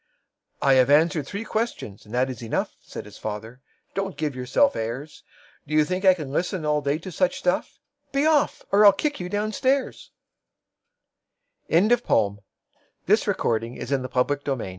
"I have answered three questions, and that is enough," Said his father. "Don't give yourself airs! Do you think I can listen all day to such stuff? Be off, or I'll kick you down stairs. Lewis Carroll Speak roughly to your little boy...